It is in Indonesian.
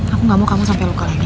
aku gak mau kamu sampai luka lagi